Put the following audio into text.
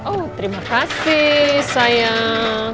oh terima kasih sayang